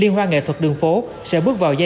liên hoa nghệ thuật đường phố sẽ bước vào giai đoạn hai